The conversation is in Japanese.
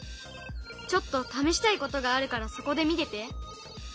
ちょっと試したいことがあるからそこで見てて。